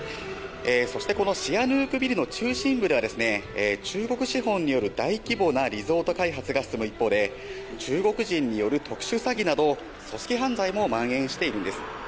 そして、シアヌークビルの中心部には中国資本による、大規模なリゾート開発が進む一方で中国人による特殊詐欺など組織犯罪も蔓延しているんです。